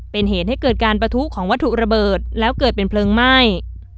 เป็นเหตุให้เกิดการประทุของวัตถุระเบิดแล้วเกิดเป็นเพลิงไหม้